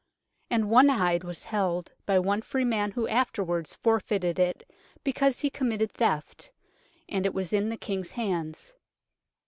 And i hide was held by i free man who afterwards forfeited it because he committed theft ; and (it) was in the King's hand(s).